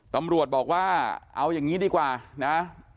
ตำรวจบอกว่าเอาอย่างนี้ดีกว่านะ